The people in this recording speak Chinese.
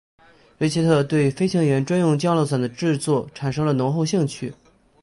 瑞切特对飞行员专用降落伞的制作产生了浓厚兴趣。